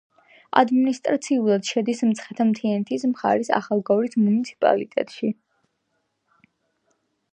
ადმინისტრაციულად შედის მცხეთა-მთიანეთის მხარის ახალგორის მუნიციპალიტეტში.